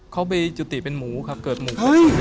เขาไปจุติเป็นหมูครับเกิดหมู